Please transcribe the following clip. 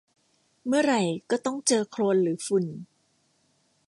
เมื่อไหร่ก็ต้องเจอโคลนหรือฝุ่น